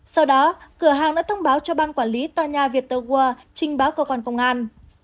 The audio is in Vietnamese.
sau đó cửa hàng đã thông báo cho ban quản lý tòa nhà viettel world trình báo cơ quan công an